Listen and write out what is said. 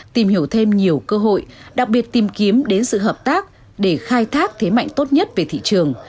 tìm hiểu thêm nhiều cơ hội đặc biệt tìm kiếm đến sự hợp tác để khai thác thế mạnh tốt nhất về thị trường